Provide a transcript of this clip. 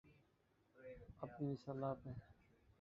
اپنی مثال آپ ہے